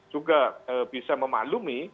juga bisa memaklumi